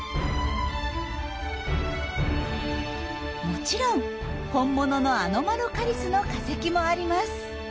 もちろん本物のアノマロカリスの化石もあります。